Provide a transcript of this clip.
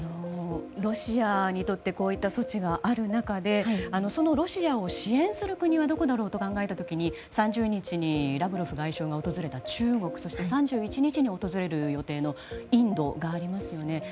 ロシアにとってこういった措置がある中でそのロシアを支援する国はどこだろうと考えた時に３０日にラブロフ外相が訪れた、中国そして、３１日に訪れる予定のインドがありますよね。